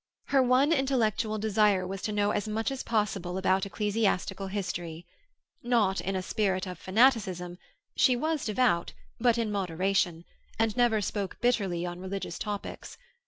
Her one intellectual desire was to know as much as possible about ecclesiastical history. Not in a spirit of fanaticism; she was devout, but in moderation, and never spoke bitterly on religious topics.